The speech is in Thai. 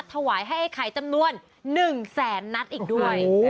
ถวายให้ไอ้ไข่จำนวน๑แสนนัดอีกด้วย